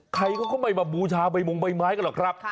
ใครเขาก็ไม่มาบูชาใบมงใบไม้กันหรอกครับ